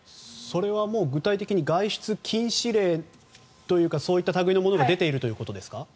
それは具体的に外出禁止令というかそういった類のものが出ているということですか。